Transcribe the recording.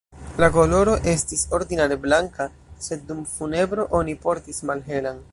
La koloro estis ordinare blanka, sed dum funebro oni portis malhelan.